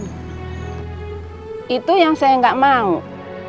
dan mereka akan mencari pasangan mereka masing masing